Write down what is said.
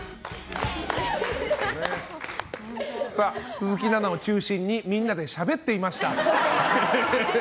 鈴木奈々を中心にみんなでしゃべっていました。